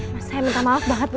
masa yang minta maaf banget bu